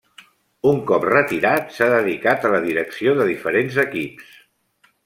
Un cop retirat s'ha dedicat a la direcció de diferents equips.